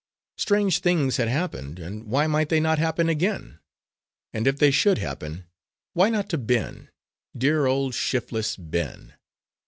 Strange things had happened, and why might they not happen again? And if they should happen, why not to Ben, dear old, shiftless Ben!